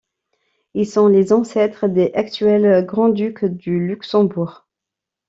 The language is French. Ils sont les ancêtres des actuels grand-ducs de Luxembourg.